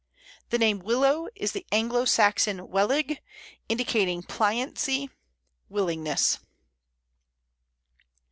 The name Willow is the Anglo Saxon welig, indicating pliancy, willingness.